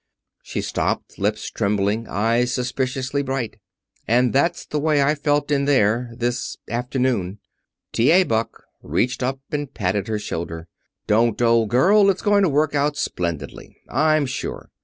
She stopped, lips trembling, eyes suspiciously bright. "And that's the way I felt in there this afternoon." T.A. Buck reached up and patted her shoulder. "Don't, old girl! It's going to work out splendidly, I'm sure.